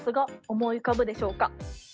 思い浮かぶでしょうか？